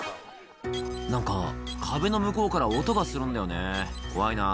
「何か壁の向こうから音がするんだよね怖いな」